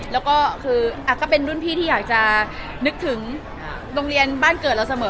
แล้วก็คือก็เป็นรุ่นพี่ที่อยากจะนึกถึงโรงเรียนบ้านเกิดเราเสมอ